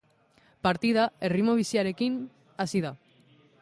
Partida erritmo biziarekin hasi da.